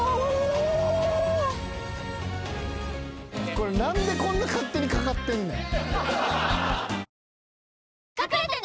これ何でこんな勝手にかかってんねん。